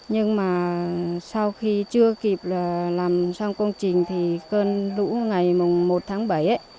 nhưng mà sau khi chưa kịp là làm xong công trình thì cơn lũ ngày một tháng bảy ấy